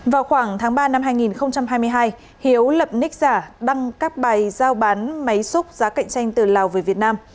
vào khoảng tháng ba năm hai nghìn hai mươi hai hiếu lập nic giả đăng các bài giao bán máy xúc giá cạnh tranh từ lào về việt nam